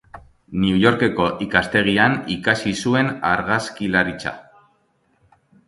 New Yorkeko ikastegian ikasi zuen argazkilaritza.